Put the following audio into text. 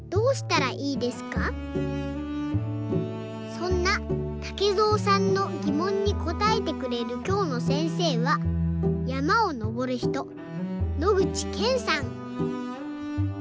そんなたけぞうさんのぎもんにこたえてくれるきょうのせんせいはやまをのぼるひと野口健さん。